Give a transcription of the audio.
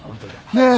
ねえ。